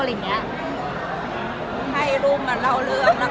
ให้รุ่นเหมือนเราเลือกละกัน